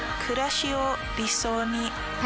くらしを理想に。